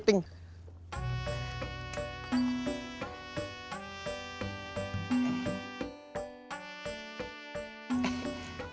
dia udah balik